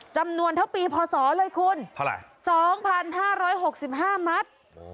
จำนวนเท่าปีพอสองเลยคุณพอไหร่๒๕๖๕มัด